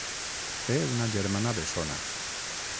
Té una germana bessona.